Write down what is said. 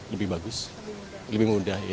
lebih bagus lebih mudah